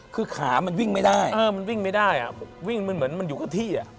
คือขามันวิ่งไม่ได้มันวิ่งไม่ได้วิ่งมันเหมือนมันอยู่กับที่